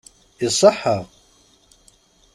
Iṣeḥḥa!